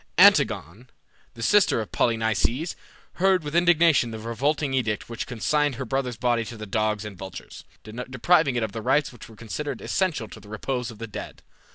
Antigone, the sister of Polynices, heard with indignation the revolting edict which consigned her brother's body to the dogs and vultures, depriving it of those rites which were considered essential to the repose of the dead.